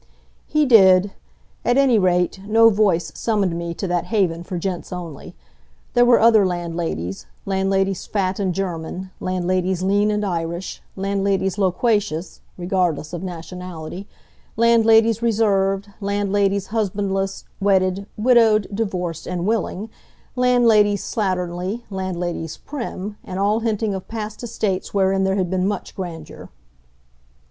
He did. At any rate, no voice summoned me to that haven for gents only. There were other landladies landladies fat and German; landladies lean and Irish; landladies loquacious (regardless of nationality); landladies reserved; landladies husbandless, wedded, widowed, divorced, and willing; landladies slatternly; landladies prim; and all hinting of past estates wherein there had been much grandeur.